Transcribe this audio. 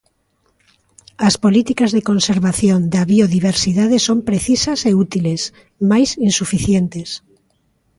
As políticas de conservación da biodiversidade son precisas e útiles, mais insuficientes.